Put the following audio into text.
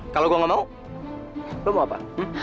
kalau gue gak mau lo mau apa